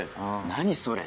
何それ。